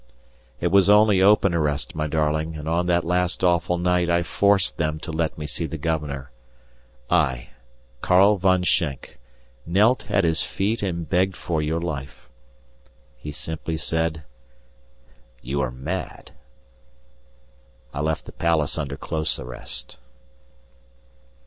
It was only open arrest, my darling, and on that last awful night I forced them to let me see the Governor. I, Karl Von Schenk, knelt at his feet and begged for your life. He simply said, "You are mad." I left the Palace under close arrest.